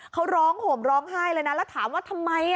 เขาร้องห่มร้องไห้เลยนะแล้วถามว่าทำไม